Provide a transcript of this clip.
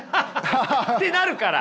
ってなるから。